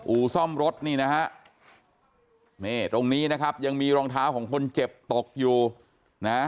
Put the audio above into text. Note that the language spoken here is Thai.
อู่ซ่อมรถนี่นะฮะนี่ตรงนี้นะครับยังมีรองเท้าของคนเจ็บตกอยู่นะฮะ